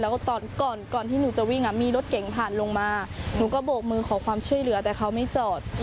แล้วก็ตอนก่อนก่อนที่หนูจะวิ่งมีรถเก่งผ่านลงมาหนูก็โบกมือขอความช่วยเหลือแต่เขาไม่จอด